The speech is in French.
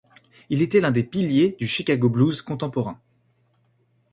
Il était l'un des piliers du Chicago blues contemporain.